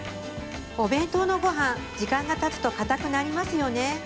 お弁当のごはん時間がたつとかたくなりますよね